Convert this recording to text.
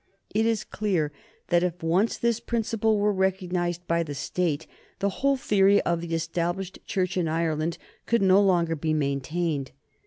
It is clear that if once this principle were recognized by the State the whole theory of the Established Church in Ireland could no longer be maintained.